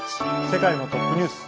世界のトップニュース」。